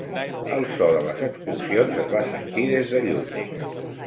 El so de les explosions es va sentir des de lluny.